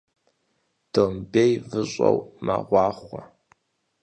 Домбей выщӀэу мэгъуахъуэ.